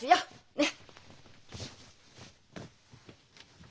ねっ。